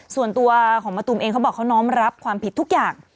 ส่วนตัวของมะตูมเองเขาบอกเขาน้อมรับความผิดทุกอย่าง